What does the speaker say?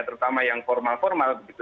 terutama yang formal formal begitu